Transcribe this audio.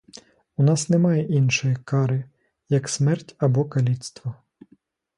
У нас немає іншої кари, як смерть або каліцтво.